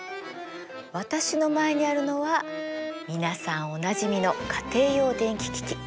私の前にあるのは皆さんおなじみの家庭用電気機器。